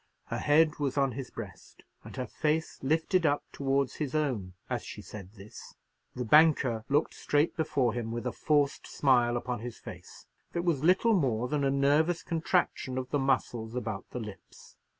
Her head was on his breast, and her face lifted up towards his own as she said this. The banker looked straight before him with a forced smile upon his face, that was little more than a nervous contraction of the muscles about the lips.